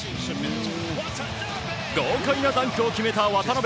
豪快なダンクを決めた渡邊！